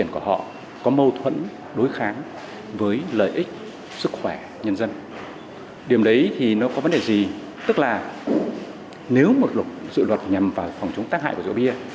có vấn đề gì tức là nếu một luật dự luật nhằm vào phòng chống tác hại của rượu bia